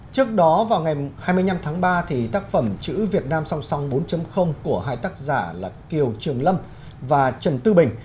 trước đó vào ngày hai mươi năm tháng ba thì tác phẩm chữ việt nam song song bốn của hai tác giả là kiều trường lâm và trần tư bình